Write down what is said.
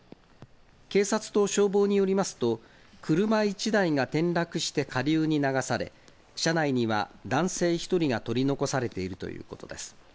警察と消防によりますと、車１台が転落して下流に流され、車内には、男性１人が取り残されているということです。